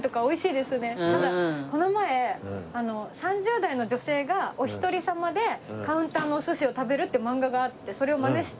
ただこの前３０代の女性がお一人様でカウンターのお寿司を食べるって漫画があってそれをマネして。